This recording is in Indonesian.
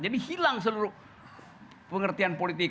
jadi hilang seluruh pengertian politik